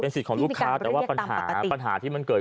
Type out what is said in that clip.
เป็นสิทธิ์ของลูกค้าแต่ปัญหาที่เกิดขึ้น